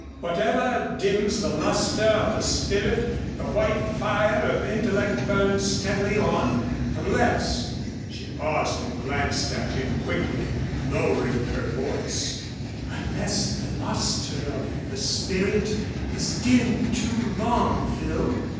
Whatever dims the luster of the spirit, the white fire of intellect burns steadily on, unless " she paused and glanced at him, quickly, lowering her voice "unless the luster of the spirit is dimmed too long, Phil."